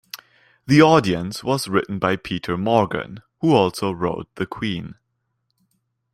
"The Audience" was written by Peter Morgan, who also wrote "The Queen".